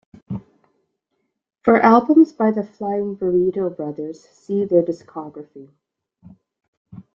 For albums by the Flying Burrito Brothers see their discography.